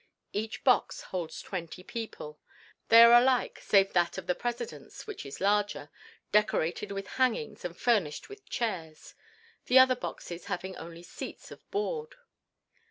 Each box holds twenty people. They are all alike save that of the President's, which is larger, decorated with hangings and furnished with chairs, the other boxes having only seats of board.